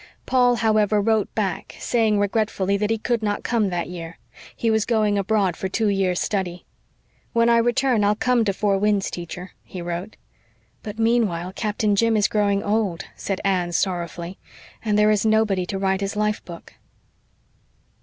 Paul, however wrote back, saying regretfully that he could not come that year. He was going abroad for two year's study. "When I return I'll come to Four Winds, dear Teacher," he wrote. "But meanwhile, Captain Jim is growing old," said Anne, sorrowfully, "and there is nobody to write his life book."